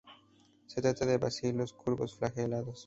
Se trata de bacilos curvos flagelados.